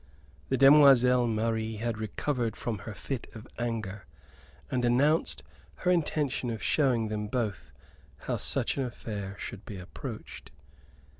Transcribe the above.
The demoiselle Marie had recovered from her fit of anger, and announced her intention of showing them both how such an affair should be approached.